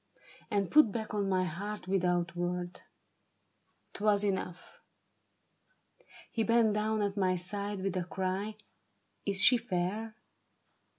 And put back on my heart without word. 'Twas enough. He bent down at my side with a cry :" Is she fair?